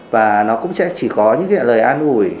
và nó cũng sẽ chỉ có những cái lời an ủi